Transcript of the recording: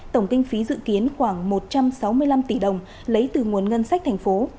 tổng kinh phí dự kiến khoảng một trăm sáu mươi năm tỷ đồng lấy từ nguồn ngân sách thành phố